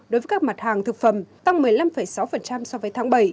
đối với các mặt hàng thực phẩm tăng một mươi năm sáu so với tháng bảy